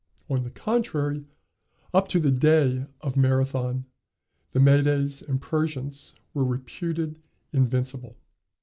On the contrary, up to the day of Marathon the Medes and Persians were reputed invincible.